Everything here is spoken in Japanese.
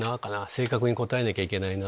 正確に答えなきゃいけないな。